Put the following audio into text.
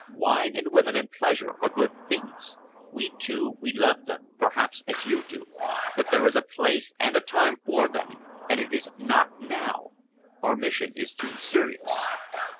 Wine and women and pleasure are good things. We two, we love them, perhaps, as you do, but there is a place and a time for them, and it is not now. Our mission is too serious."